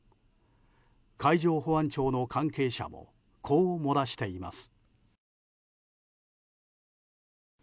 海上保安庁の関係者もこう漏らしています。